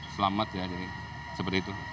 selamat ya jadi seperti itu